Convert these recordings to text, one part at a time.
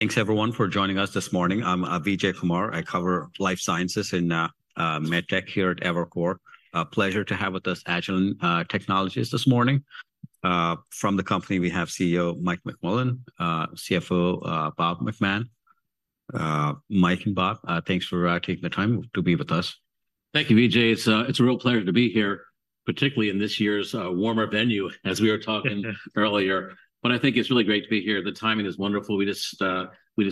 Thanks, everyone, for joining us this morning. I'm Vijay Kumar. I cover Life Sciences and MedTech here at Evercore. Pleasure to have with us Agilent Technologies this morning. From the company, we have CEO Mike McMullen, CFO Bob McMahon. Mike and Bob, thanks for taking the time to be with us. Thank you, Vijay. It's a real pleasure to be here, particularly in this year's warmer venue, as we were talking- Yeah But I think it's really great to be here. The timing is wonderful. We just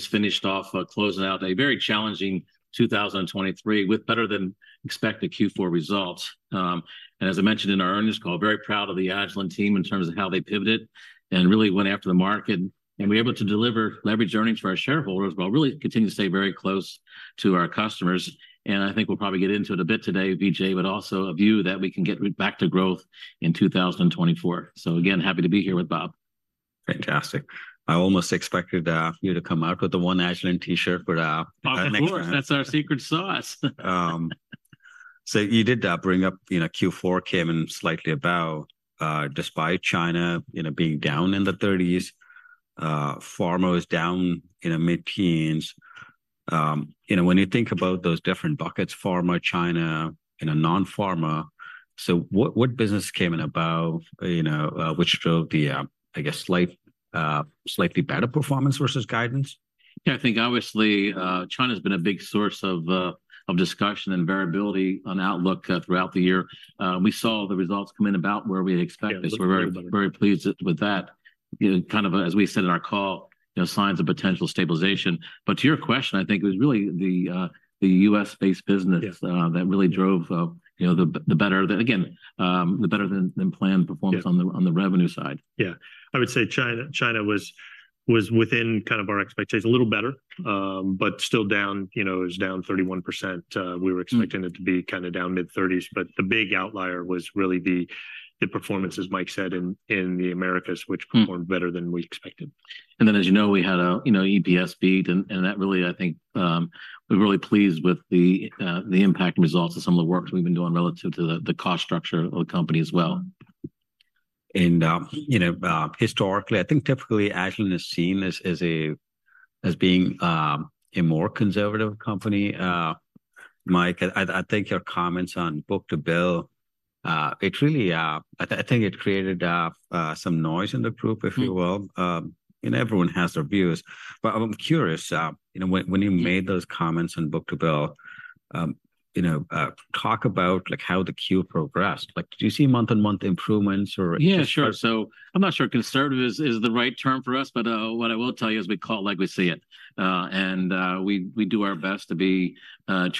finished off closing out a very challenging 2023 with better-than-expected Q4 results. And as I mentioned in our earnings call, very proud of the Agilent team in terms of how they pivoted and really went after the market. And we're able to deliver leverage earnings for our shareholders, while really continuing to stay very close to our customers, and I think we'll probably get into it a bit today, Vijay, but also a view that we can get back to growth in 2024. So again, happy to be here with Bob. Fantastic. I almost expected you to come out with the One Agilent T-shirt, but that makes sense. Of course, that's our secret sauce. So you did bring up, you know, Q4 came in slightly above, despite China, you know, being down in the 30s, pharma was down in the mid-teens. You know, when you think about those different buckets, pharma, China, and non-pharma, so what, what business came in above, you know, which drove the, I guess, slight, slightly better performance versus guidance? Yeah, I think obviously, China's been a big source of, of discussion and variability on outlook, throughout the year. We saw the results come in about where we expected- Yeah... so we're very, very pleased with, with that. You know, kind of, as we said in our call, you know, signs of potential stabilization. But to your question, I think it was really the, the U.S.-based business- Yeah... that really drove, you know, the better. Then again, the better than planned performance- Yeah... on the revenue side. Yeah. I would say China, China was within kind of our expectations, a little better, but still down, you know, it was down 31%. We were- Mm-hmm... expecting it to be kind of down mid-30s. But the big outlier was really the performance, as Mike said, in the Americas- Mm-hmm... which performed better than we expected. Then, as you know, we had a you know, EPS beat, and that really, I think, we're really pleased with the impact and results of some of the work we've been doing relative to the cost structure of the company as well. You know, historically, I think typically Agilent is seen as being a more conservative company. Mike, I think your comments on book-to-bill really created some noise in the group- Mm... if you will. And everyone has their views. But I'm curious, you know, when you made those comments on book-to-bill, you know, talk about, like, how the Q progressed. Like, do you see month-on-month improvements or- Yeah, sure. So I'm not sure conservative is the right term for us, but what I will tell you is we call it like we see it. And we do our best to be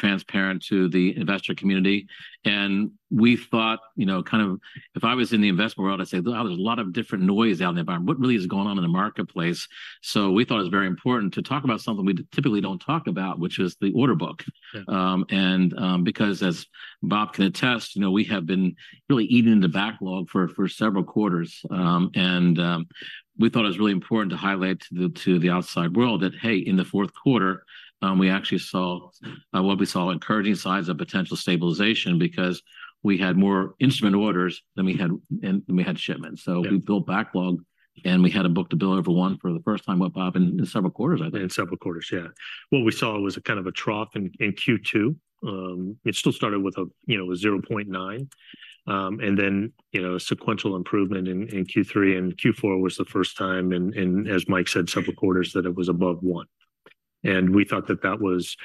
transparent to the investor community. And we thought, you know, kind of if I was in the investment world, I'd say, "Wow, there's a lot of different noise out in the environment. What really is going on in the marketplace?" So we thought it was very important to talk about something we typically don't talk about, which is the order book. Yeah. And because as Bob can attest, you know, we have been really eating the backlog for several quarters. And we thought it was really important to highlight to the outside world that, hey, in the fourth quarter, we actually saw, well, we saw encouraging signs of potential stabilization because we had more instrument orders than we had shipments. Yeah. So we built backlog, and we had a book-to-bill over 1 for the first time, what, Bob, in several quarters, I think. In several quarters, yeah. What we saw was a kind of a trough in Q2. It still started with a, you know, a 0.9, and then, you know, a sequential improvement in Q3 and Q4 was the first time, and as Mike said, several quarters, that it was above 1. And we thought that that was...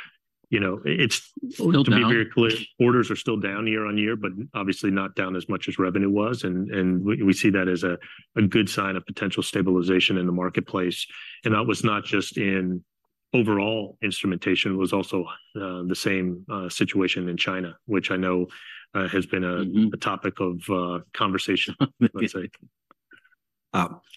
You know, it's- Still down... to be very clear, orders are still down YoY, but obviously not down as much as revenue was. And we see that as a good sign of potential stabilization in the marketplace. And that was not just in overall instrumentation, it was also the same situation in China, which I know has been a- Mm-hmm... a topic of conversation, let's say.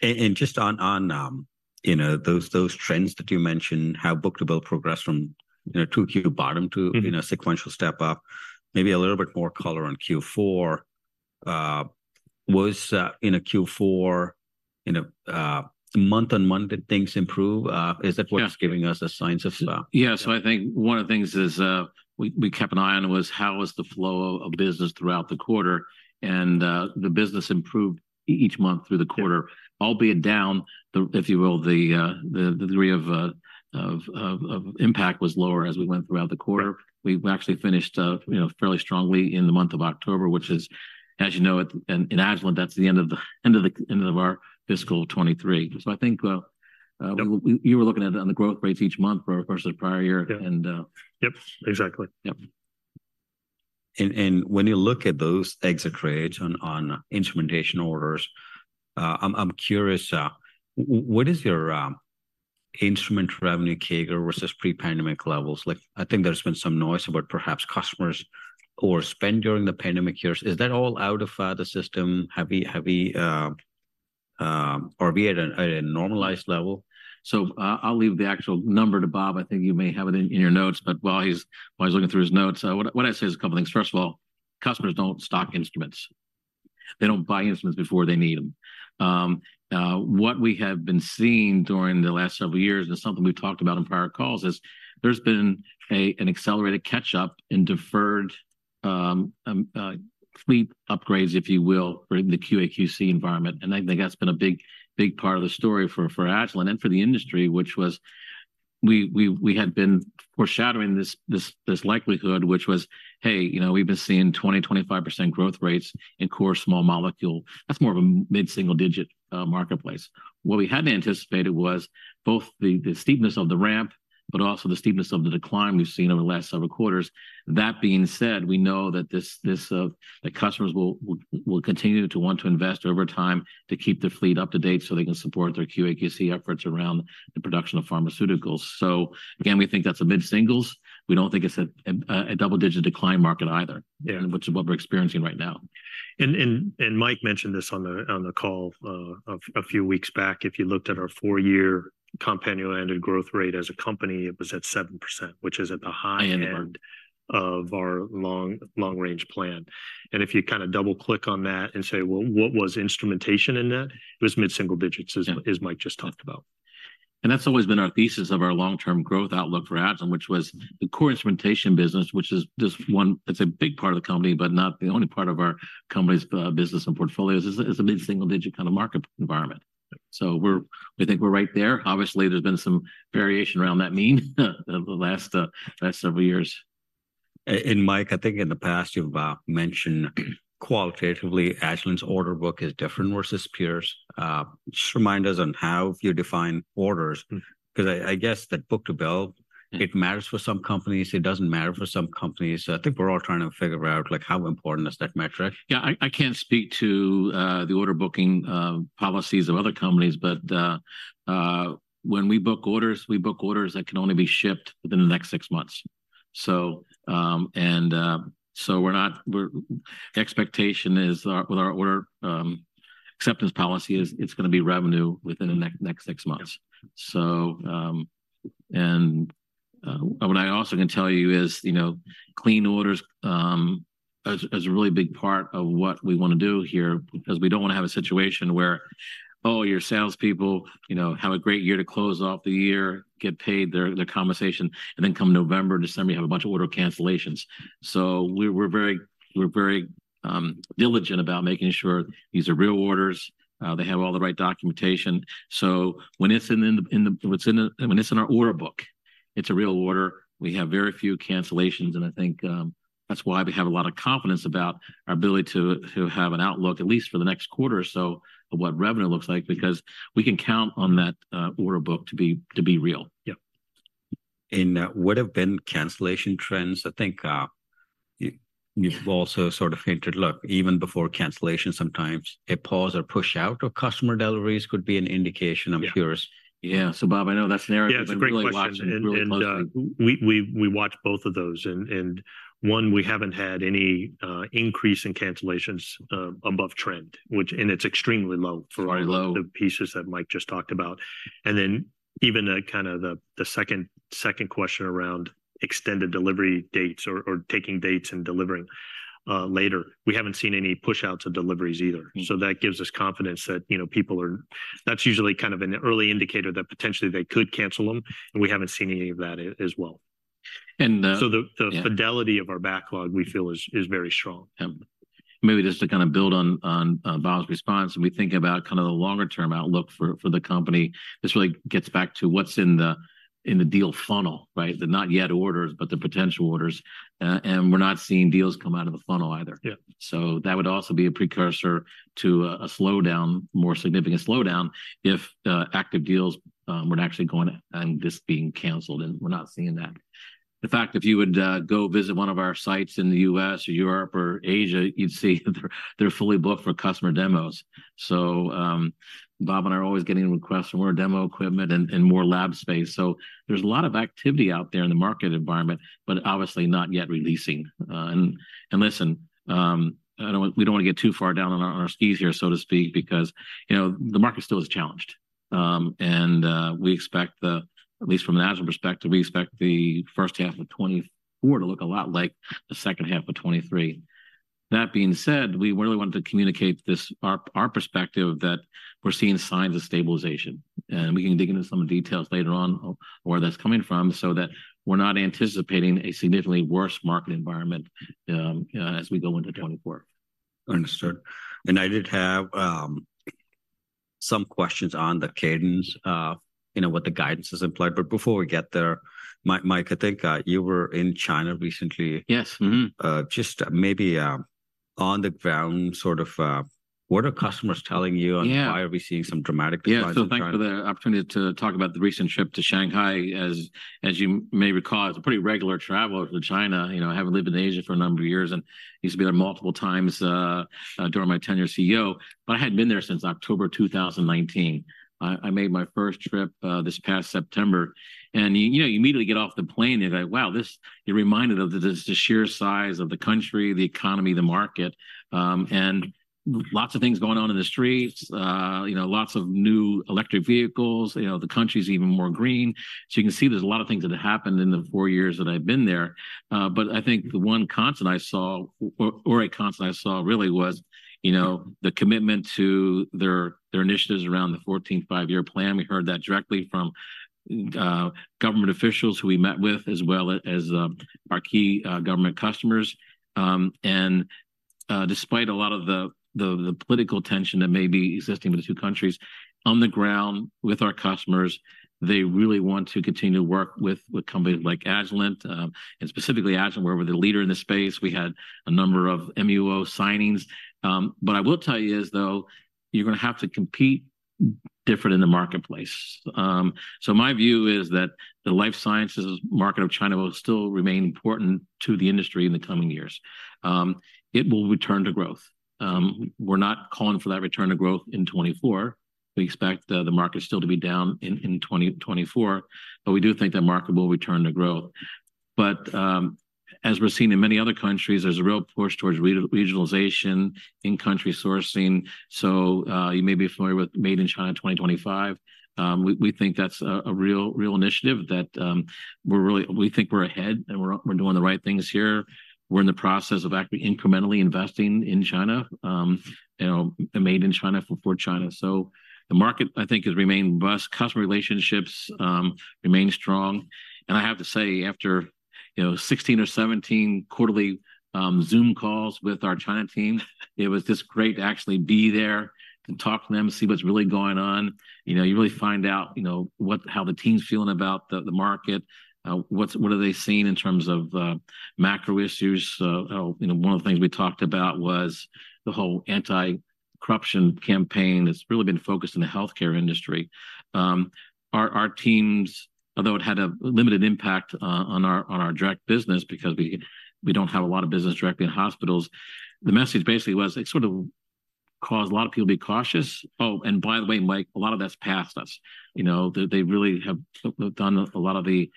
And just on, you know, those trends that you mentioned, how book-to-bill progressed from, you know, 2Q bottom to- Mm... you know, sequential step up, maybe a little bit more color on Q4. Was in Q4 month-on-month, did things improve? Is that- Yeah... what's giving us the signs of Yeah, so I think one of the things is, we kept an eye on was how was the flow of business throughout the quarter, and the business improved each month through the quarter. Yeah. Albeit down, if you will, the degree of impact was lower as we went throughout the quarter. Yeah. We actually finished, you know, fairly strongly in the month of October, which is, as you know, in Agilent, that's the end of our fiscal 2023. So I think, Yeah... we were looking at it on the growth rates each month versus the prior year. Yeah. And, uh- Yep, exactly. Yep. When you look at those exit rates on instrumentation orders, I'm curious, what is your instrument revenue CAGR versus pre-pandemic levels? Like, I think there's been some noise about perhaps customers who were spending during the pandemic years. Is that all out of the system? Have we... Are we at a normalized level? So I'll leave the actual number to Bob. I think you may have it in your notes, but while he's looking through his notes, what I'd say is a couple things. First of all, customers don't stock instruments. They don't buy instruments before they need them. What we have been seeing during the last several years, and something we've talked about on prior calls, is there's been an accelerated catch-up in deferred fleet upgrades, if you will, for the QA/QC environment. And I think that's been a big, big part of the story for Agilent and for the industry, which was we had been foreshadowing this likelihood, which was, "Hey, you know, we've been seeing 20%-25% growth rates in core small molecule." That's more of a mid-single digit marketplace. What we hadn't anticipated was both the steepness of the ramp, but also the steepness of the decline we've seen over the last several quarters. That being said, we know that this the customers will continue to want to invest over time to keep their fleet up to date so they can support their QA/QC efforts around the production of pharmaceuticals. So again, we think that's a mid-singles. We don't think it's a double-digit decline market either- Yeah which is what we're experiencing right now. And Mike mentioned this on the call a few weeks back. If you looked at our four-year compound annual growth rate as a company, it was at 7%, which is at the high end- High-end market... of our long, long-range plan. And if you kind of double-click on that and say, "Well, what was instrumentation in that?" It was mid-single digits- Yeah... as Mike just talked about. That's always been our thesis of our long-term growth outlook for Agilent, which was the core instrumentation business, which is just one—it's a big part of the company, but not the only part of our company's business and portfolios. It's a mid-single digit kind of market environment. So we think we're right there. Obviously, there's been some variation around that mean, over the last several years. Mike, I think in the past you've mentioned, qualitatively, Agilent's order book is different versus peers. Just remind us on how you define orders. Mm. 'Cause I guess that book-to-bill, it matters for some companies, it doesn't matter for some companies. So I think we're all trying to figure out, like, how important is that metric? Yeah, I can't speak to the order booking policies of other companies, but when we book orders, we book orders that can only be shipped within the next six months. So, and so we're not--we're... Expectation is our with our order acceptance policy is, it's gonna be revenue within the next six months. Yeah. So, what I also can tell you is, you know, clean orders is a really big part of what we want to do here. Because we don't want to have a situation where, oh, your salespeople, you know, have a great year to close off the year, get paid their compensation, and then come November, December, you have a bunch of order cancellations. So we're very diligent about making sure these are real orders, they have all the right documentation. So when it's in our order book, it's real order. We have very few cancellations, and I think that's why we have a lot of confidence about our ability to have an outlook, at least for the next quarter or so, of what revenue looks like, because we can count on that order book to be real. Yep. What have been cancellation trends? I think, you, you've also sort of hinted, look, even before cancellation, sometimes a pause or push out of customer deliveries could be an indication, I'm curious. Yeah. Yeah. So Bob, I know that's an area we're really watching- Yeah, it's a great question.... really closely. We watch both of those. And one, we haven't had any increase in cancellations above trend, which—and it's extremely low for- Very low... the pieces that Mike just talked about. And then even, kind of the second question around extended delivery dates or taking dates and delivering later, we haven't seen any push outs of deliveries either. Mm. So that gives us confidence that, you know, people are. That's usually kind of an early indicator that potentially they could cancel them, and we haven't seen any of that as well. And, yeah- The fidelity of our backlog, we feel, is very strong. Yeah. Maybe just to kind of build on Bob's response, when we think about kind of the longer-term outlook for the company, this really gets back to what's in the deal funnel, right? The not yet orders, but the potential orders. And we're not seeing deals come out of the funnel either. Yeah. So that would also be a precursor to a slowdown, more significant slowdown, if active deals were actually going and just being cancelled, and we're not seeing that. In fact, if you would go visit one of our sites in the U.S. or Europe or Asia, you'd see they're fully booked for customer demos. So Bob and I are always getting requests for more demo equipment and more lab space. So there's a lot of activity out there in the market environment, but obviously not yet releasing. And listen, I don't want—we don't want to get too far down on our skis here, so to speak, because, you know, the market still is challenged. We expect the, at least from an Agilent perspective, we expect the first half of 2024 to look a lot like the second half of 2023. That being said, we really wanted to communicate this, our, our perspective that we're seeing signs of stabilization, and we can dig into some of the details later on, where that's coming from, so that we're not anticipating a significantly worse market environment as we go into 2024. Understood. I did have some questions on the cadence, you know, what the guidance is implied. But before we get there, Mike, I think you were in China recently. Yes. Mm-hmm. Just maybe, on the ground, sort of, what are customers telling you? Yeah... and why are we seeing some dramatic difference in China? Yeah, so thank you for the opportunity to talk about the recent trip to Shanghai. As you may recall, I was a pretty regular traveler to China. You know, I have lived in Asia for a number of years and used to be there multiple times during my tenure as CEO, but I hadn't been there since October 2019. I made my first trip this past September, and, you know, you immediately get off the plane and you're like: Wow, you're reminded of the sheer size of the country, the economy, the market, and lots of things going on in the streets, you know, lots of new electric vehicles. You know, the country is even more green. So you can see there's a lot of things that happened in the four years that I've been there. But I think the one constant I saw, or a constant I saw really was, you know, the commitment to their initiatives around the Fourteenth Five-Year Plan. We heard that directly from government officials who we met with, as well as our key government customers. And despite a lot of the political tension that may be existing with the two countries, on the ground with our customers, they really want to continue to work with companies like Agilent, and specifically Agilent, we're the leader in this space. We had a number of MOU signings. But I will tell you is, though, you're gonna have to compete different in the marketplace. So my view is that the life sciences market of China will still remain important to the industry in the coming years. It will return to growth. We're not calling for that return to growth in 2024. We expect the market still to be down in 2024, but we do think that market will return to growth. But, as we're seeing in many other countries, there's a real push towards regionalization, in-country sourcing. So, you may be familiar with Made in China 2025. We think that's a real initiative that we're really, we think we're ahead, and we're doing the right things here. We're in the process of actually incrementally investing in China, you know, the Made in China for China. So the market, I think, has remained robust. Customer relationships remain strong. I have to say, after you know, 16 or 17 quarterly Zoom calls with our China team, it was just great to actually be there and talk to them, see what's really going on. You know, you really find out, you know, how the team's feeling about the market, what are they seeing in terms of macro issues. You know, one of the things we talked about was the whole anti-corruption campaign that's really been focused in the healthcare industry. Our teams, although it had a limited impact on our direct business because we don't have a lot of business directly in hospitals, the message basically was it sort of caused a lot of people to be cautious. Oh, and by the way, Mike, a lot of that's past us. You know, they, they really have done a lot of the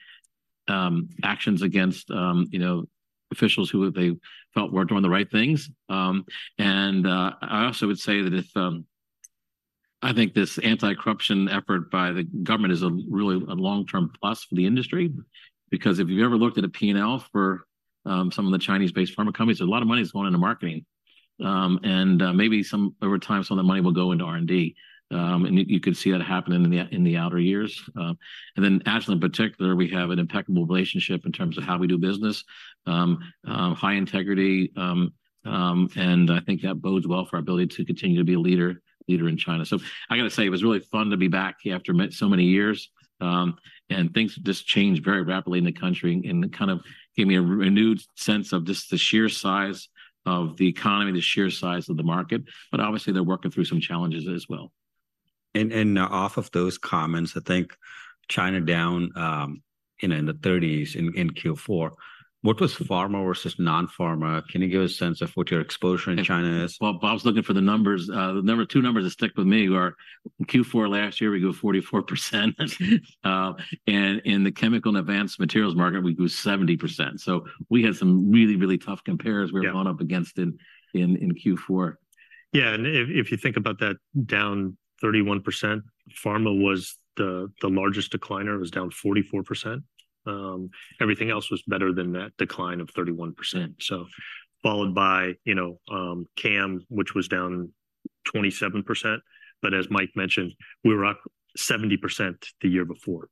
actions against, you know, officials who they felt weren't doing the right things. And I also would say that if... I think this anti-corruption effort by the government is a really a long-term plus for the industry because if you've ever looked at a P&L for some of the Chinese-based pharma companies, a lot of money is going into marketing. And maybe some, over time, some of the money will go into R&D, and you, you could see that happening in the, in the outer years. And then Agilent, in particular, we have an impeccable relationship in terms of how we do business, high integrity, and I think that bodes well for our ability to continue to be a leader, leader in China. So I gotta say, it was really fun to be back after so many years, and things just change very rapidly in the country and kind of gave me a renewed sense of just the sheer size of the economy, the sheer size of the market, but obviously, they're working through some challenges as well. Off of those comments, I think China down, you know, in the thirties in Q4, what was pharma versus non-pharma? Can you give a sense of what your exposure in China is? Well, Bob's looking for the numbers. The two numbers that stick with me are Q4 last year, we grew 44%. And in the Chemical and Advanced Materials market, we grew 70%. So we had some really, really tough compares- Yeah... we were going up against in Q4. Yeah, and if you think about that, down 31%, pharma was the largest decliner, it was down 44%. Everything else was better than that decline of 31%. So followed by, you know, CAM, which was down 27%, but as Mike mentioned, we were up 70% the year before.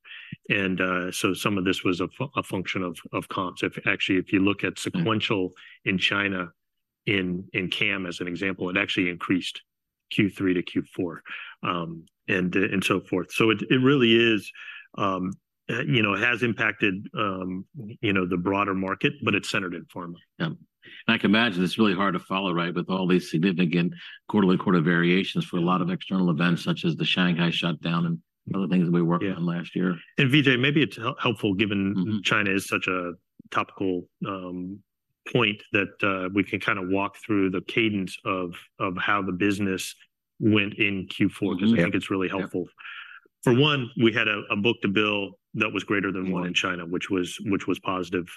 And, so some of this was a function of comps. If, actually, if you look at sequential in China, in CAM, as an example, it actually increased Q3 to Q4, and so forth. So it really is, you know, it has impacted the broader market, but it's centered in pharma. And I can imagine it's really hard to follow, right, with all these significant quarterly quarter variations for a lot of external events, such as the Shanghai shutdown and other things that we worked on last year. Yeah. And Vijay, maybe it's helpful, given- Mm-hmm... China is such a topical point that we can kind of walk through the cadence of how the business went in Q4- Mm-hmm. Because I think it's really helpful. Yeah. For one, we had a book-to-bill that was greater than one in China, which was positive.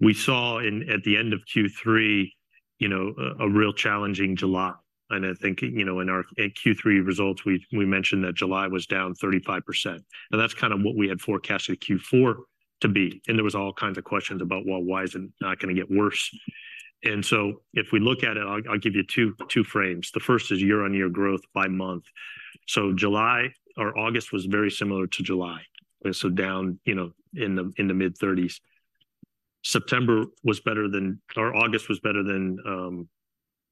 We saw at the end of Q3, you know, a real challenging July. And I think, you know, in our Q3 results, we mentioned that July was down 35%, and that's kind of what we had forecasted Q4 to be. And there was all kinds of questions about, well, why is it not gonna get worse? And so if we look at it, I'll give you two frames. The first is YoY growth by month. So August was very similar to July, and so down, you know, in the mid-30s. September was better than, or August was better than,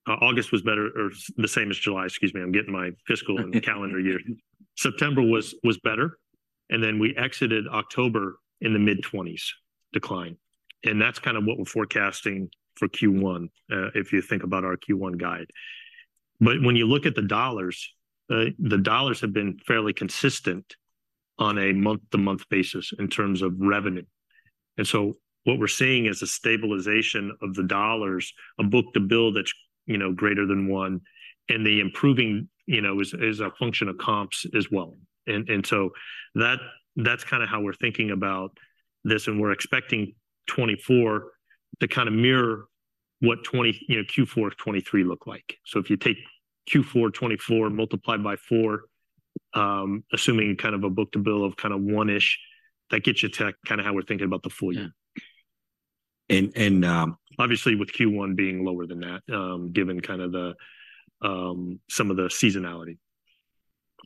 August was better or the same as July, excuse me, I'm getting my fiscal and calendar year. September was better, and then we exited October in the mid-20s decline. And that's kind of what we're forecasting for Q1, if you think about our Q1 guide. But when you look at the dollars, the dollars have been fairly consistent on a month-to-month basis in terms of revenue. And so what we're seeing is a stabilization of the dollars, a book-to-bill that's, you know, greater than one, and the improving, you know, is a function of comps as well. And so that's kind of how we're thinking about this, and we're expecting 2024 to kind of mirror what 20, you know, Q4 of 2023 looked like. So if you take Q4 2024 and multiply by four, assuming kind of a book-to-bill of kind of one-ish, that gets you to kind of how we're thinking about the full year. Yeah. Obviously, with Q1 being lower than that, given kind of the, some of the seasonality....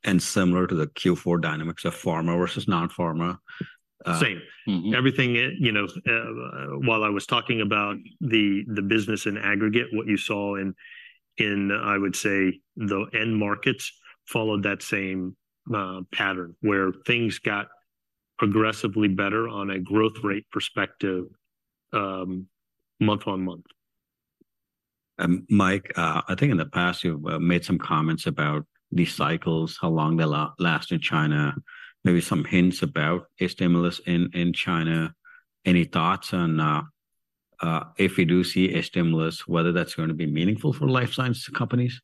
and similar to the Q4 dynamics of pharma versus non-pharma, Same. Mm-hmm. Everything, you know, while I was talking about the business in aggregate, what you saw in, I would say, the end markets followed that same pattern, where things got progressively better on a growth rate perspective, month-over-month. Mike, I think in the past, you've made some comments about these cycles, how long they last in China, maybe some hints about a stimulus in China. Any thoughts on if we do see a stimulus, whether that's going to be meaningful for life science companies?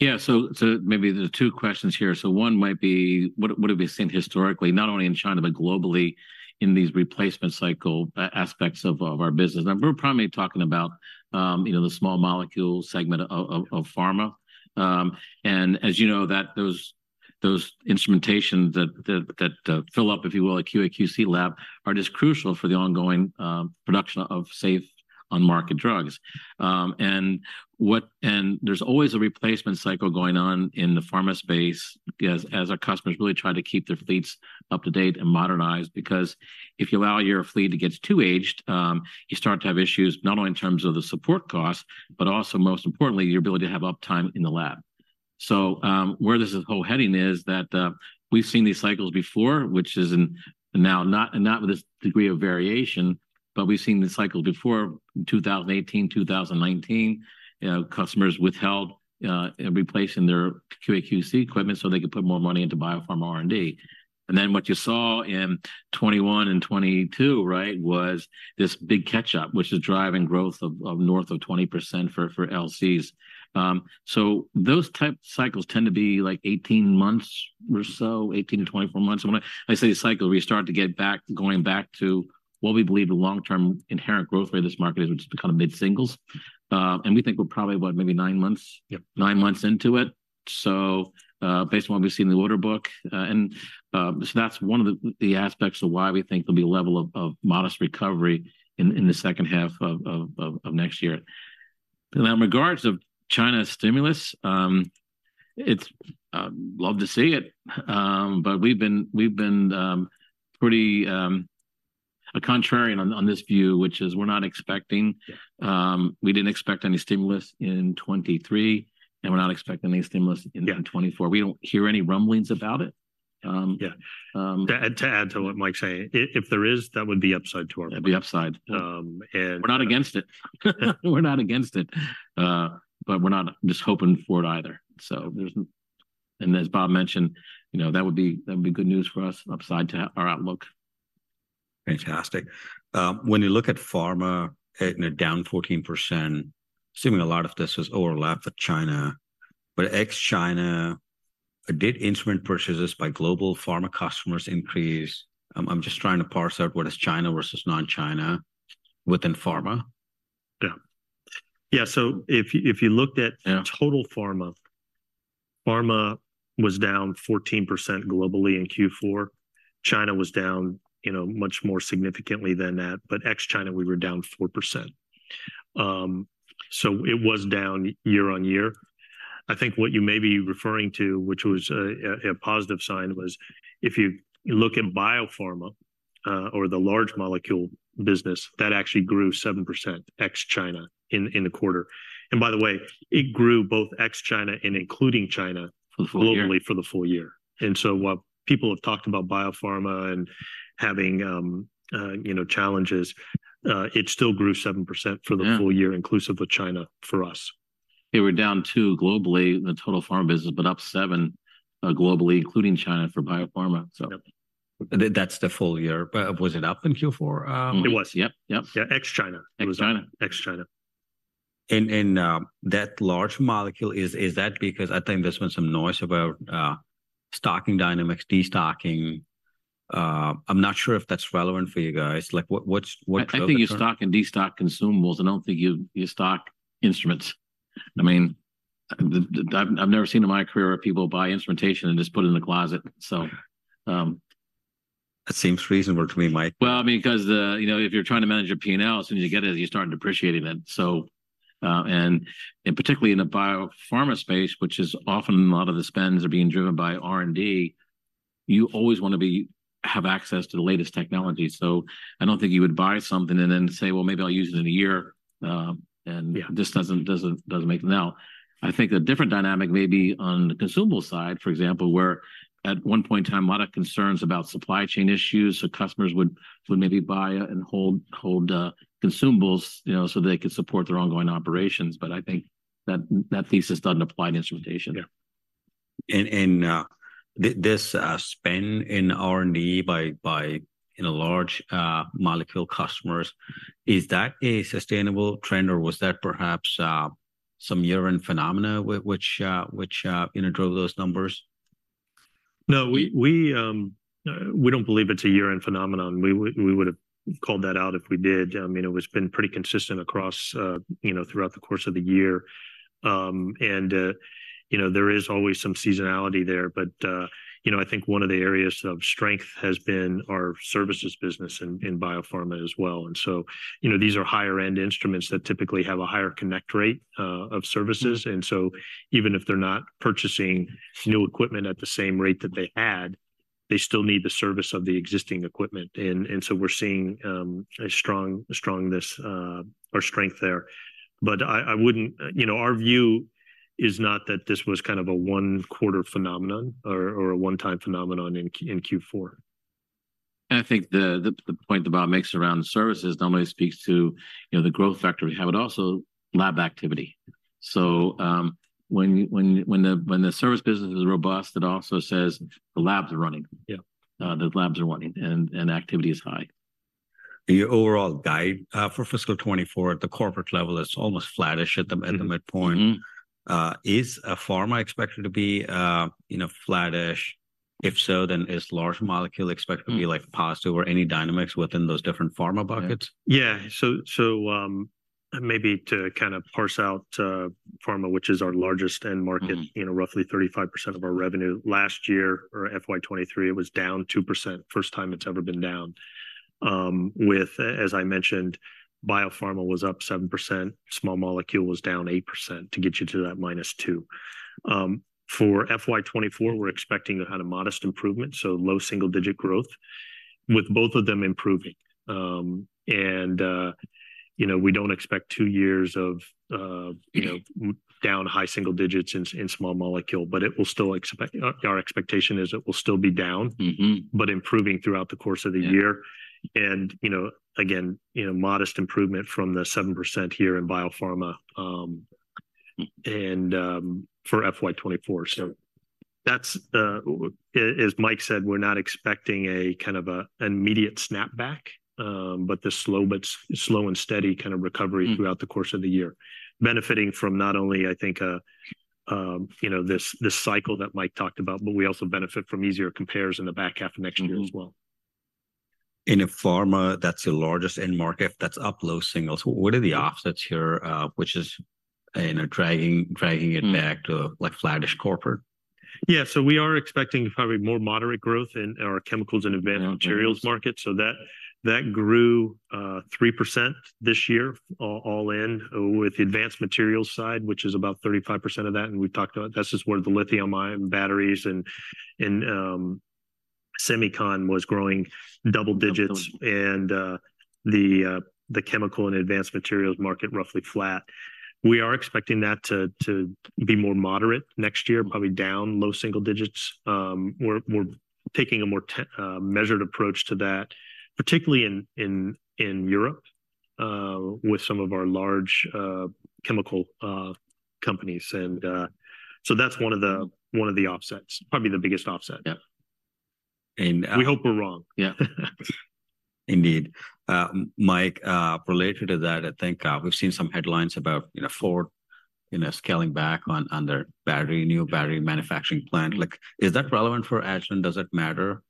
Yeah. So maybe there are two questions here. So one might be, what have we seen historically, not only in China, but globally, in these replacement cycle aspects of our business? And we're primarily talking about, you know, the small molecule segment of pharma. And as you know, those instrumentation that fill up, if you will, a QA/QC lab are just crucial for the ongoing production of safe on-market drugs. And there's always a replacement cycle going on in the pharma space as our customers really try to keep their fleets up to date and modernized. Because if you allow your fleet to get too aged, you start to have issues not only in terms of the support costs, but also, most importantly, your ability to have uptime in the lab. So, where this whole thing is heading is that, we've seen these cycles before, which is not with this degree of variation, but we've seen this cycle before, 2018, 2019. You know, customers withheld replacing their QA/QC equipment so they could put more money into biopharma R&D. And then, what you saw in 2021 and 2022, right, was this big catch-up, which is driving growth of north of 20% for LCs. So those type cycles tend to be, like, 18 months or so, 18-24 months. And when I say cycle, we start to get back, going back to what we believe the long-term inherent growth rate of this market is, which is kind of mid-singles. And we think we're probably, what? Maybe nine months- Yep... nine months into it, so, based on what we see in the order book. So that's one of the aspects of why we think there'll be a level of modest recovery in the second half of next year. Now, in regards of China's stimulus, it's love to see it. But we've been pretty a contrarian on this view, which is we're not expecting... We didn't expect any stimulus in 2023, and we're not expecting any stimulus in 2024. Yeah. We don't hear any rumblings about it. Yeah. Um- To add to what Mike's saying, if there is, that would be upside to our- It'd be upside. Um, and- We're not against it. We're not against it, but we're not just hoping for it either. So, as Bob mentioned, you know, that would be, that would be good news for us, upside to our outlook. Fantastic. When you look at pharma, and they're down 14%, assuming a lot of this was overlap with China, but ex-China, did instrument purchases by global pharma customers increase? I'm just trying to parse out what is China versus non-China within pharma. Yeah. Yeah, so if you, if you looked at- Yeah... total pharma, pharma was down 14% globally in Q4. China was down, you know, much more significantly than that, but ex-China, we were down 4%. So it was down YoY. I think what you may be referring to, which was a positive sign, was if you look in biopharma, or the large molecule business, that actually grew 7% ex-China in the quarter. And by the way, it grew both ex-China and including China- For the full year.... globally for the full year. And so while people have talked about biopharma and having, you know, challenges, it still grew 7% for the full year- Yeah... inclusive of China, for us. They were down 2% globally in the total pharma business, but up 7% globally, including China, for biopharma. Yep. That's the full year. But was it up in Q4? It was. Yep, yep. Yeah, ex-China. Ex-China. Ex-China. And that large molecule, is that because I think there's been some noise about stocking dynamics, destocking? I'm not sure if that's relevant for you guys. Like, what's— I think you stock and destock consumables. I don't think you stock instruments. I mean, I've never seen in my career where people buy instrumentation and just put it in the closet. So... That seems reasonable to me, Mike. Well, I mean, because you know, if you're trying to manage your P&L, as soon as you get it, you start depreciating it. So, particularly in the biopharma space, which is often a lot of the spends are being driven by R&D, you always wanna have access to the latest technology. So I don't think you would buy something and then say, "Well, maybe I'll use it in a year. Yeah... and this doesn't make sense now. I think the different dynamic may be on the consumable side, for example, where at one point in time, a lot of concerns about supply chain issues, so customers would maybe buy and hold consumables, you know, so they could support their ongoing operations. But I think that thesis doesn't apply to instrumentation. Yeah. This spend in R&D by you know large molecule customers, is that a sustainable trend, or was that perhaps some year-end phenomena which you know drove those numbers? No, we don't believe it's a year-end phenomenon. We would've called that out if we did. I mean, it has been pretty consistent across, you know, throughout the course of the year. And, you know, there is always some seasonality there, but, you know, I think one of the areas of strength has been our services business in biopharma as well. And so, you know, these are higher-end instruments that typically have a higher connect rate of services. And so even if they're not purchasing new equipment at the same rate that they had, they still need the service of the existing equipment, and so we're seeing a strength there. But I wouldn't, you know, our view is not that this was kind of a one-quarter phenomenon or a one-time phenomenon in Q4. I think the point that Bob makes around the services not only speaks to, you know, the growth factor we have, but also lab activity. So, when the service business is robust, it also says the labs are running. Yeah. The labs are running, and activity is high. And your overall guide for fiscal 2024 at the corporate level is almost flattish at the- Mm-hmm... at the midpoint. Mm-hmm. Is pharma expected to be, you know, flattish? If so, then is large molecule expected- Mm-hmm... to be, like, positive or any dynamics within those different pharma buckets? Yeah. So, maybe to kind of parse out, pharma, which is our largest end market- Mm-hmm... you know, roughly 35% of our revenue. Last year, or FY 2023, it was down 2%, first time it's ever been down. With, as I mentioned, biopharma was up 7%, small molecule was down 8%, to get you to that -2%. For FY 2024, we're expecting a kind of modest improvement, so low single-digit growth, with both of them improving. You know, we don't expect two years of, you know, down high single digits in small molecule, but it will still expect... Our expectation is it will still be down- Mm-hmm... but improving throughout the course of the year. Yeah. You know, again, you know, modest improvement from the 7% here in biopharma, and for FY 2024. So that's, as Mike said, we're not expecting a kind of a immediate snapback, but the slow and steady kind of recovery- Mm-hmm... throughout the course of the year. Benefiting from not only, I think, you know, this cycle that Mike talked about, but we also benefit from easier compares in the back half of next year as well. Mm-hmm. In a pharma, that's the largest end market that's up low singles. What are the offsets here, which is, you know, dragging, dragging it- Mm... back to, like, flattish corporate? Yeah. So we are expecting probably more moderate growth in our Chemicals and Advanced Materials market. Yeah. So that grew 3% this year, all in, with the advanced materials side, which is about 35% of that, and we've talked about it. That's just where the lithium-ion batteries and semicon was growing double digits- Double digits... and, the Chemical and Advanced Materials market roughly flat. We are expecting that to be more moderate next year, probably down low single digits. We're taking a more measured approach to that, particularly in Europe, with some of our large chemical companies. And, so that's one of the offsets, probably the biggest offset. Yeah. We hope we're wrong. Yeah. Indeed. Mike, related to that, I think, we've seen some headlines about, you know, Ford, you know, scaling back on, on their battery, new battery manufacturing plant. Like, is that relevant for Agilent? Does it matter?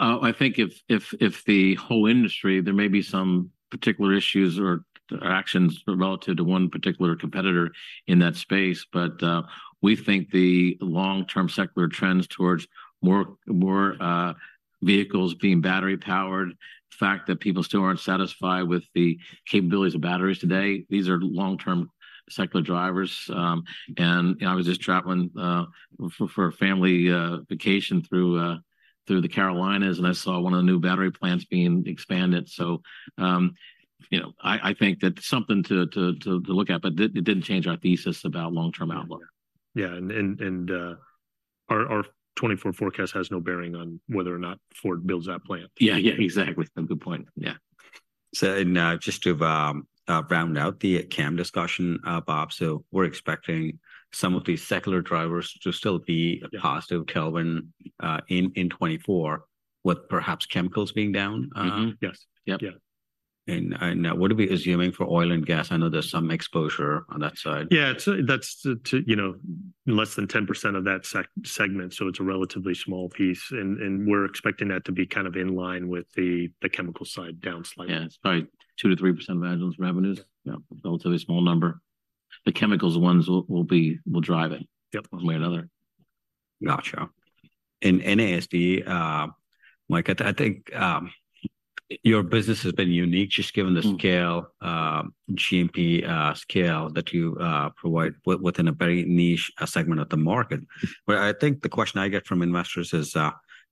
I think if the whole industry, there may be some particular issues or actions relative to one particular competitor in that space, but we think the long-term secular trends towards more vehicles being battery-powered, fact that people still aren't satisfied with the capabilities of batteries today, these are long-term secular drivers. And I was just traveling for a family vacation through the Carolinas, and I saw one of the new battery plants being expanded. So, you know, I think that's something to look at, but it didn't change our thesis about long-term outlook. Yeah, our 2024 forecast has no bearing on whether or not Ford builds that plant. Yeah. Yeah, exactly. Good point, yeah. Just to round out the CAM discussion, Bob, so we're expecting some of these secular drivers to still be- Yeah... a hostile Kelvin in 2024, with perhaps chemicals being down? Mm-hmm. Yes. Yep. Yeah. And what are we assuming for oil and gas? I know there's some exposure on that side. Yeah, it's, that's to, you know, less than 10% of that segment, so it's a relatively small piece, and we're expecting that to be kind of in line with the chemical side, down slightly. Yeah, it's probably 2%-3% of Agilent's revenues. Yeah. Yeah, relatively small number. The chemicals ones will be, will drive it- Yep... one way or another. Gotcha. In NASD, Mike, I think, your business has been unique, just given the scale- Mm... GMP scale that you provide within a very niche segment of the market. But I think the question I get from investors is: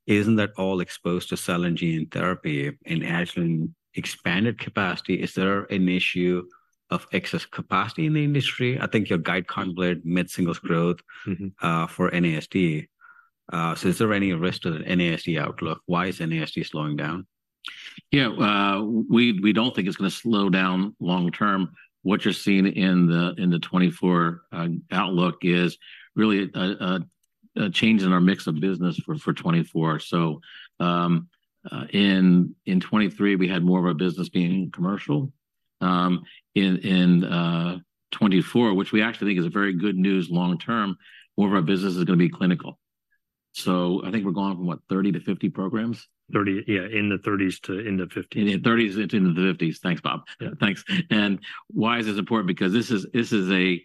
"Isn't that all exposed to cell and gene therapy in Agilent expanded capacity? Is there an issue of excess capacity in the industry?" I think your guide conflated mid-singles growth- Mm-hmm... for NASD. So is there any risk to the NASD outlook? Why is NASD slowing down? Yeah, we don't think it's gonna slow down long term. What you're seeing in the 2024 outlook is really a change in our mix of business for 2024. So, in 2023, we had more of our business being commercial. In 2024, which we actually think is very good news long term, more of our business is gonna be clinical. So I think we're going from what, 30 to 50 programs? 30, yeah, in the 30s to in the 50s. In the 30s into the 50s. Thanks, Bob. Yeah. Thanks. And why is this important? Because this is, this is a,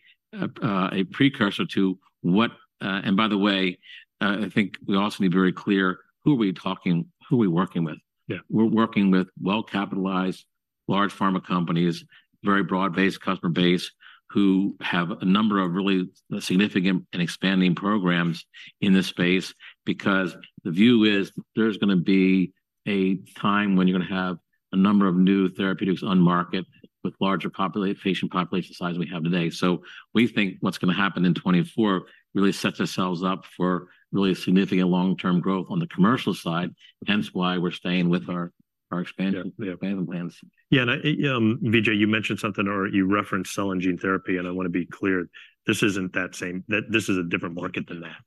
a precursor to what... And by the way, I think we also need to be very clear, who are we talking, who are we working with? Yeah. We're working with well-capitalized large pharma companies, very broad-based customer base, who have a number of really significant and expanding programs in this space. Because the view is there's gonna be a time when you're gonna have a number of new therapeutics on market with larger patient population size than we have today. So we think what's gonna happen in 2024 really sets ourselves up for really significant long-term growth on the commercial side, hence why we're staying with our expansion- Yeah - expansion plans. Yeah, and, Vijay, you mentioned something or you referenced cell and gene therapy, and I want to be clear, this isn't that same... That this is a different market than that.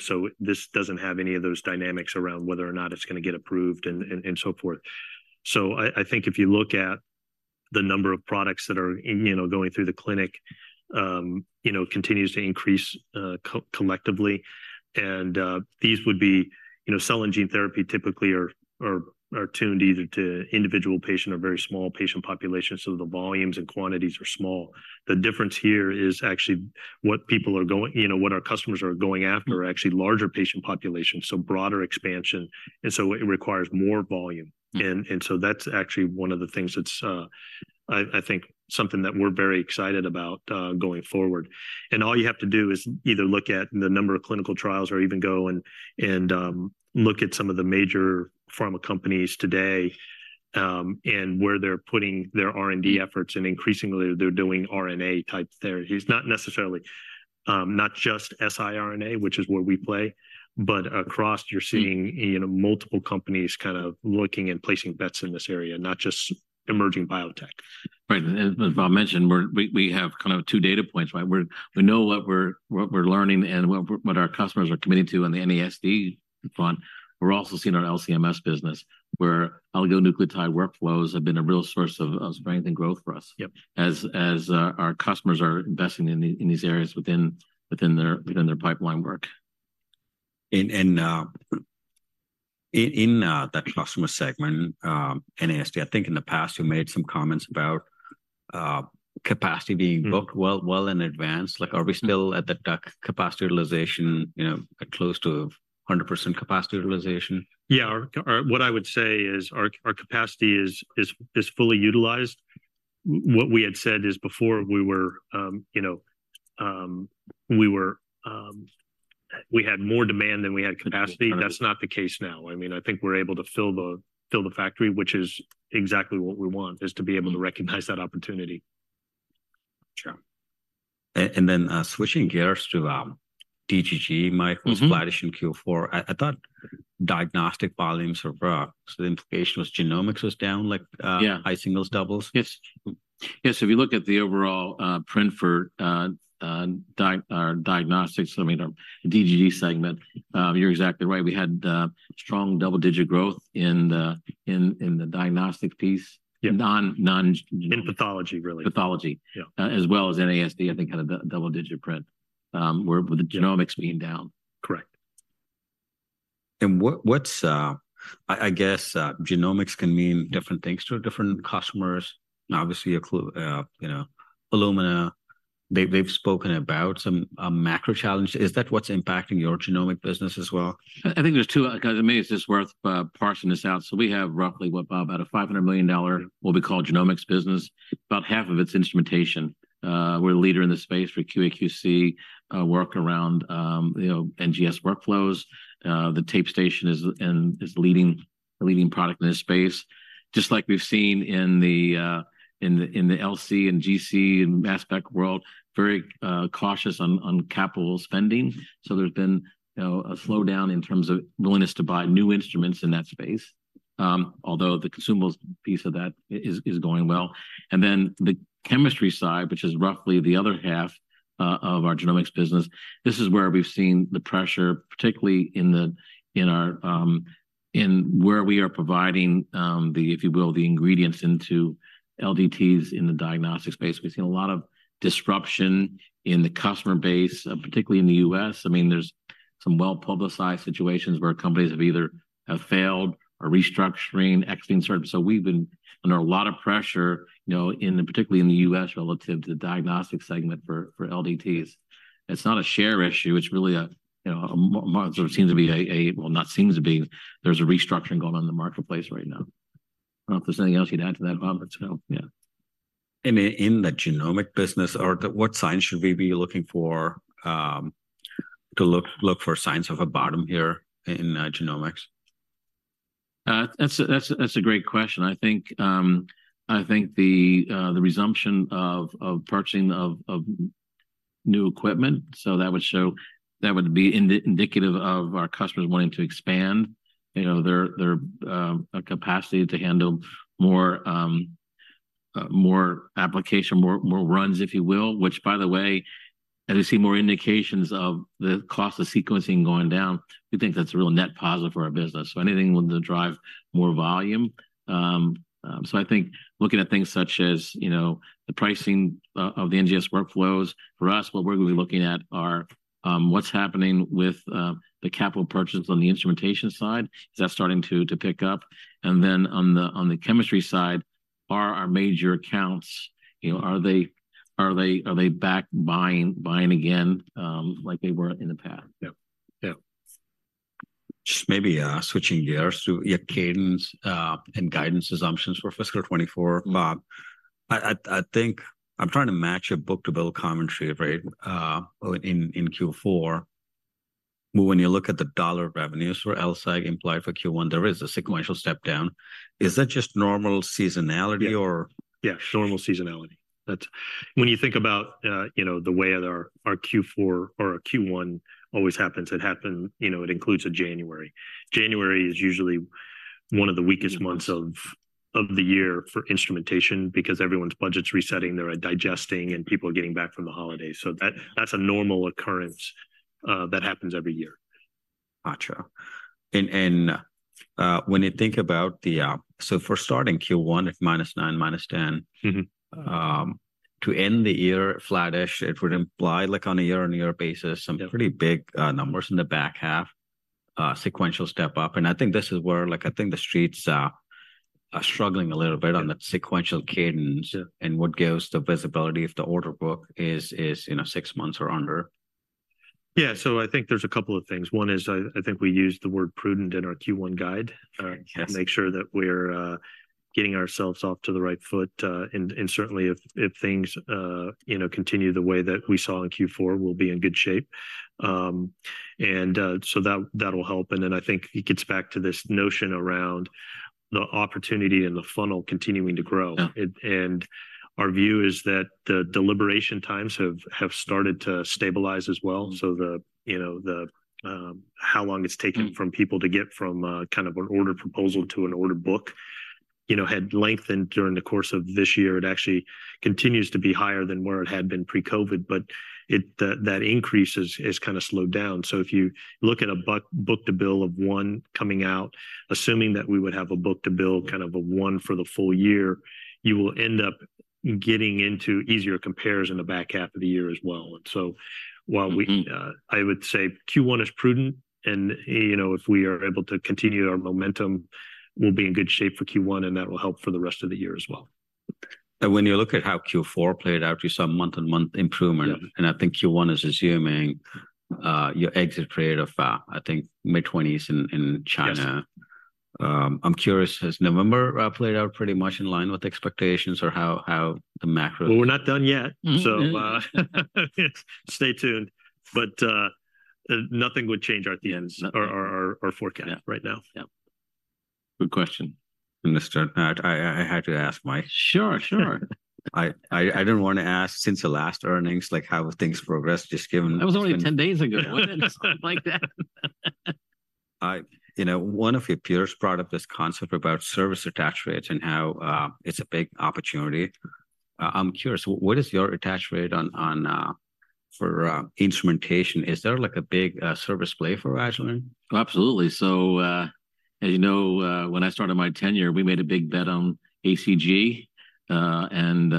So this doesn't have any of those dynamics around whether or not it's gonna get approved and so forth. So I think if you look at the number of products that are, you know, going through the clinic, you know, continues to increase, collectively. And these would be, you know, cell and gene therapy typically are tuned either to individual patient or very small patient populations, so the volumes and quantities are small. The difference here is actually what people are going—you know, what our customers are going after, are actually larger patient populations, so broader expansion, and so it requires more volume. Mm-hmm. So that's actually one of the things that's, I think, something that we're very excited about going forward. And all you have to do is either look at the number of clinical trials or even go and look at some of the major pharma companies today, and where they're putting their R&D efforts. And increasingly, they're doing RNA-type therapies. Not necessarily, not just siRNA, which is where we play, but across, you're seeing- Mm-hmm... you know, multiple companies kind of looking and placing bets in this area, not just emerging biotech. Right. And as Bob mentioned, we have kind of two data points, right? We know what we're learning and what our customers are committing to on the NASD front. We're also seeing our LC-MS business, where oligonucleotide workflows have been a real source of strength and growth for us. Yep... as our customers are investing in these areas within their pipeline work. In that customer segment, NASD, I think in the past, you made some comments about capacity being- Mm-hmm... booked well, well in advance. Like, are we still at the booked capacity utilization, you know, at close to 100% capacity utilization? Yeah. What I would say is, our capacity is fully utilized. What we had said is before we were, you know, we had more demand than we had capacity. Mm-hmm. That's not the case now. I mean, I think we're able to fill the factory, which is exactly what we want, is to be able- Mm-hmm... to recognize that opportunity. Sure. And then, switching gears to DGG, Mike- Mm-hmm... was flattish in Q4. I, I thought diagnostic volumes were up, so the implication was genomics was down, like, Yeah... high singles doubles? Yes. Yes, if you look at the overall print for diagnostics, I mean, our DGG segment, you're exactly right. We had strong double-digit growth in the diagnostic piece. Yeah. Non, non- In pathology, really. Pathology. Yeah. As well as NASD, I think, had a double-digit print, where with the genomics being down. Correct. And what’s... I guess, genomics can mean different things to different customers. And obviously, you know, Illumina, they’ve spoken about some, a macro challenge. Is that what’s impacting your genomic business as well? I think there's two... 'Cause to me, it's just worth parsing this out. So we have roughly, what, Bob, about a $500 million, what we call genomics business, about half of it's instrumentation. We're the leader in this space for QA/QC work around, you know, NGS workflows. The TapeStation is a leading product in this space. Just like we've seen in the LC and GC and mass spec world, very cautious on capital spending. So there's been, you know, a slowdown in terms of willingness to buy new instruments in that space, although the consumables piece of that is going well. Then the chemistry side, which is roughly the other half of our genomics business, this is where we've seen the pressure, particularly in our, in where we are providing, the, if you will, the ingredients into LDTs in the diagnostics space. We've seen a lot of disruption in the customer base, particularly in the U.S. I mean, there's some well-publicized situations where companies have either have failed or restructuring, exiting service. So we've been under a lot of pressure, you know, particularly in the U.S., relative to the diagnostic segment for, for LDTs. It's not a share issue, it's really a, you know, a sort of seems to be a, a.... Well, not seems to be, there's a restructuring going on in the marketplace right now. I don't know if there's anything else you'd add to that, Bob, but so, yeah. And in the genomic business, what signs should we be looking for to look for signs of a bottom here in genomics? That's a great question. I think the resumption of purchasing of new equipment, so that would show—that would be indicative of our customers wanting to expand, you know, their capacity to handle more applications, more runs, if you will. Which, by the way, as you see more indications of the cost of sequencing going down, we think that's a real net positive for our business. So anything that will drive more volume. So I think looking at things such as, you know, the pricing of the NGS workflows. For us, what we're gonna be looking at are what's happening with the capital purchases on the instrumentation side, is that starting to pick up? And then on the chemistry side, are our major accounts, you know, are they back buying again, like they were in the past? Yep, yep. ...Just maybe, switching gears to your cadence, and guidance assumptions for fiscal 2024. I think I'm trying to match a book-to-bill commentary, right, in Q4. But when you look at the dollar revenues for LSAG implied for Q1, there is a sequential step down. Is that just normal seasonality or? Yeah, normal seasonality. That's—When you think about, you know, the way that our, our Q4 or our Q1 always happens, it happened, you know, it includes a January. January is usually one of the weakest months of, of the year for instrumentation because everyone's budget's resetting, they're digesting, and people are getting back from the holidays. So that, that's a normal occurrence, that happens every year. Gotcha. When you think about the—so for starting Q1, if -9, -10- Mm-hmm... to end the year flattish, it would imply, like on a YoY basis- Yeah Some pretty big numbers in the back half, sequential step up. And I think this is where, like, I think the streets are struggling a little bit on the sequential cadence. Yeah And what gives the visibility if the order book is, you know, six months or under? Yeah. So I think there's a couple of things. One is, I think we used the word prudent in our Q1 guide. Yes ...to make sure that we're getting ourselves off to the right foot. And certainly if things, you know, continue the way that we saw in Q4, we'll be in good shape. And so that, that'll help. And then I think it gets back to this notion around the opportunity and the funnel continuing to grow. Yeah. And our view is that the deliberation times have started to stabilize as well. Mm. So you know how long it's taking- Mm from people to get from, kind of an order proposal to an order book, you know, had lengthened during the course of this year. It actually continues to be higher than where it had been pre-COVID, but it, that increase has kind of slowed down. So if you look at a book-to-bill of one coming out, assuming that we would have a book-to-bill, kind of a one for the full year, you will end up getting into easier compares in the back half of the year as well. And so while we- Mm-hmm... I would say Q1 is prudent, and, you know, if we are able to continue our momentum, we'll be in good shape for Q1, and that will help for the rest of the year as well. When you look at how Q4 played out, you saw month-on-month improvement- Yeah... and I think Q1 is assuming your exit period of, I think mid-20s in China. Yes. I'm curious, has November played out pretty much in line with expectations or how the macro- Well, we're not done yet. Mm-hmm. Stay tuned. But, nothing would change at the ends- Nothing... or forecast right now. Yeah. Good question, Understood. I had to ask Mike. Sure, sure. I didn't want to ask since the last earnings, like, how have things progressed, just given- That was only 10 days ago. What? It's not like that. You know, one of your peers brought up this concept about service attach rates and how it's a big opportunity. I'm curious, what is your attach rate on, on, for instrumentation? Is there, like, a big service play for Agilent? Absolutely. So, as you know, when I started my tenure, we made a big bet on ACG. And,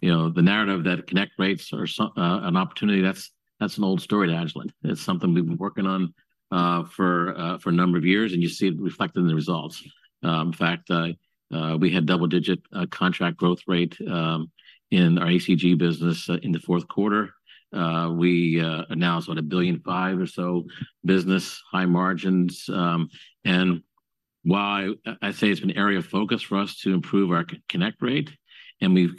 you know, the narrative that connect rates are so an opportunity, that's an old story at Agilent. It's something we've been working on for a number of years, and you see it reflected in the results. In fact, we had double-digit contract growth rate in our ACG business in the fourth quarter. We announced, what, $1.5 billion or so business, high margins. And while I say it's an area of focus for us to improve our connect rate, and we've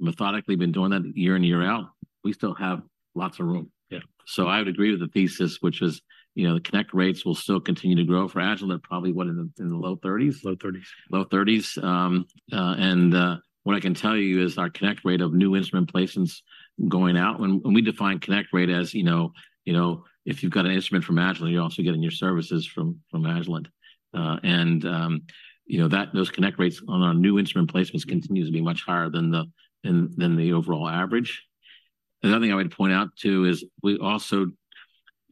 methodically been doing that year in, year out, we still have lots of room. Yeah. I would agree with the thesis, which is, you know, the connect rates will still continue to grow for Agilent, probably in the low thirties? Low thirties. Low 30s. What I can tell you is our connect rate of new instrument placements going out, when we define connect rate as, you know, you know, if you've got an instrument from Agilent, you're also getting your services from Agilent. And you know, those connect rates on our new instrument placements continues to be much higher than the overall average. Another thing I would point out, too, is we also,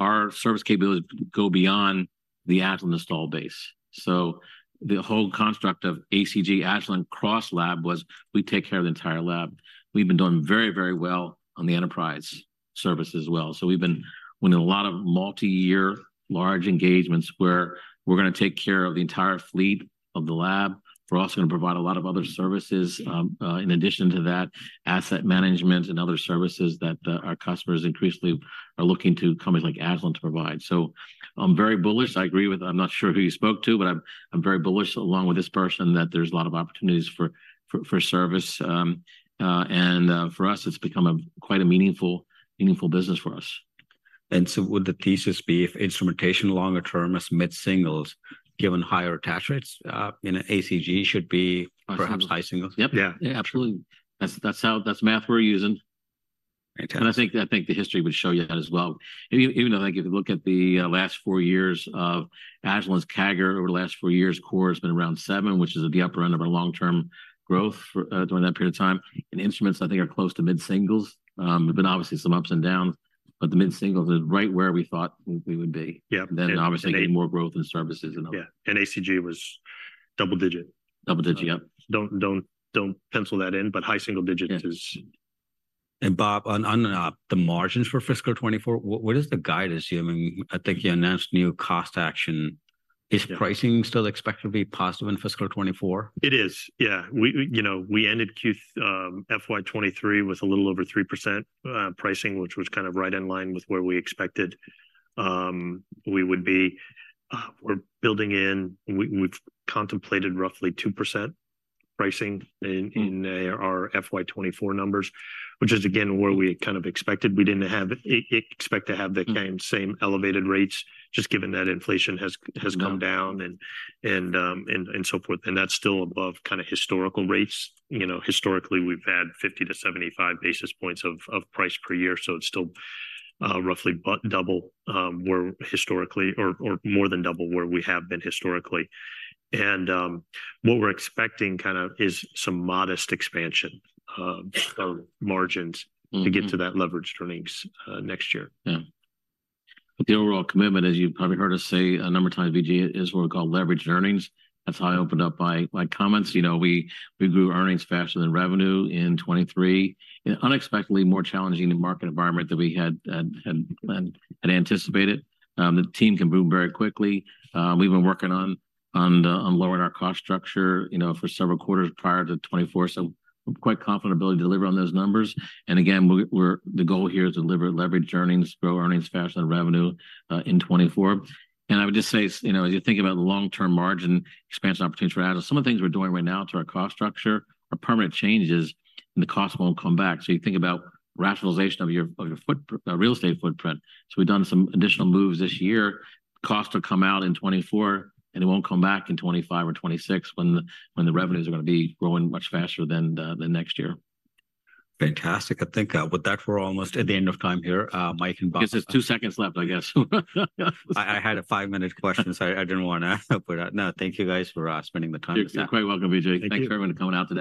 our service capabilities go beyond the Agilent install base. So the whole construct of ACG, Agilent CrossLab, was we take care of the entire lab. We've been doing very, very well on the enterprise service as well. So we've been winning a lot of multiyear, large engagements where we're going to take care of the entire fleet of the lab. We're also going to provide a lot of other services, in addition to that, asset management and other services that our customers increasingly are looking to companies like Agilent to provide. So I'm very bullish. I agree with. I'm not sure who you spoke to, but I'm very bullish, along with this person, that there's a lot of opportunities for service. And for us, it's become a quite meaningful business for us. Would the thesis be if instrumentation longer term is mid-singles, given higher attach rates, you know, ACG should be- Absolutely... high singles? Yep. Yeah. Yeah, absolutely. That's, that's how, that's the math we're using. Fantastic. I think, I think the history would show you that as well. Even, even though, like, if you look at the last four years of Agilent's CAGR over the last four years, core has been around seven, which is at the upper end of our long-term growth for during that period of time. And instruments, I think, are close to mid-singles. There's been obviously some ups and downs, but the mid-singles is right where we thought we would be. Yeah. Obviously, getting more growth in services and- Yeah, and ACG was double digit. Double-digit, yeah. Don't pencil that in, but high single digit is- Bob, on the margins for fiscal 2024, what is the guide assuming? I think you announced new cost action. Is pricing still expected to be positive in fiscal 2024? It is, yeah. We, you know, we ended Q FY 2023 with a little over 3% pricing, which was kind of right in line with where we expected we would be. We're building in—we've contemplated roughly 2% pricing in our FY 2024 numbers, which is again where we had kind of expected. We didn't expect to have the kind of same elevated rates, just given that inflation has come down- No -and so forth, and that's still above kind of historical rates. You know, historically, we've had 50-75 basis points of price per year, so it's still roughly about double where historically, or more than double where we have been historically. And what we're expecting kind of is some modest expansion of margins- Mm-hmm -to get to that leveraged earnings, next year. Yeah. But the overall commitment, as you've probably heard us say a number of times, Vijay, is what we call leveraged earnings. That's how I opened up my comments. You know, we grew earnings faster than revenue in 2023, in an unexpectedly more challenging market environment than we had anticipated. The team can move very quickly. We've been working on lowering our cost structure, you know, for several quarters prior to 2024, so I'm quite confident ability to deliver on those numbers. And again, the goal here is to deliver leveraged earnings, grow earnings faster than revenue in 2024. And I would just say, you know, as you think about long-term margin expansion opportunity for Agilent, some of the things we're doing right now to our cost structure are permanent changes, and the cost won't come back. So you think about rationalization of your, of your real estate footprint. So we've done some additional moves this year. Costs will come out in 2024, and they won't come back in 2025 or 2026 when the revenues are going to be growing much faster than next year. Fantastic. I think, with that, we're almost at the end of time here. Mike and Bob- Guess there's two seconds left, I guess. I had a five-minute question, so I didn't want to put out... No, thank you guys for spending the time. You're quite welcome, Vijay. Thank you. Thanks, everyone, for coming out today.